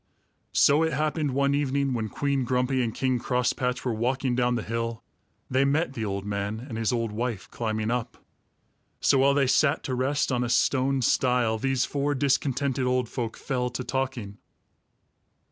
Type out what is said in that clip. So it happened one evening, when Queen Grumpy and King Crosspatch were walking down the hill, they met the old man and his old wife climbing up. So while they sat to rest on a stone stile, these four discontented old folk fell to talking.